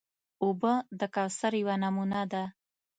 اوبه د کوثر یوه نمونه ده.